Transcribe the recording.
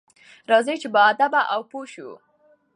راځئ چې باادبه او پوه شو.